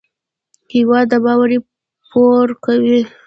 هېواد د باور پوره کوي.